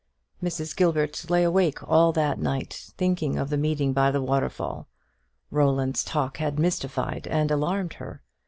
Mrs. Gilbert lay awake all that night, thinking of the meeting by the waterfall. Roland's talk had mystified and alarmed her.